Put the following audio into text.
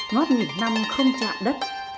ngót nghỉ năm không chạm đất